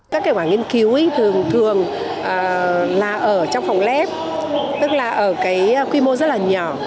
các kết quả nghiên cứu thường thường là ở trong phòng led tức là ở cái quy mô rất là nhỏ